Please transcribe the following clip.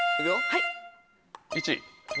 はい。